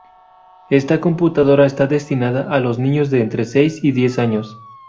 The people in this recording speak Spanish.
Esta computadora está destinada a los niños de entre seis y diez años.